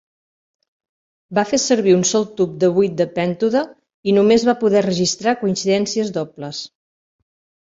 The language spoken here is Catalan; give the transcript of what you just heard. Va fer servir un sol tub de buit de pèntode i només va poder registrar coincidències dobles.